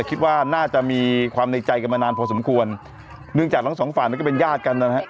คิดว่าน่าจะมีความในใจกันมานานพอสมควรเนื่องจากทั้งสองฝ่ายนั้นก็เป็นญาติกันนะฮะ